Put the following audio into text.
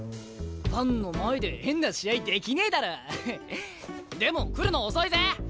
ファンの前で変な試合できねえだろ。でも来るの遅いぜ。